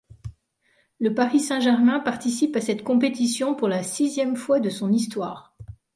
Le Paris Saint-Germain participe à cette compétition pour la sixième fois de son histoire.